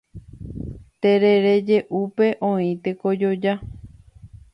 Terere je'úpe oĩ tekojoja.